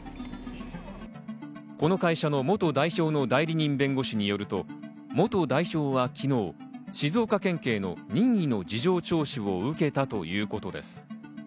この会社の元代表の代理人弁護士によると、元代表は昨日、静岡県警の任意の事情聴取を受けたということです。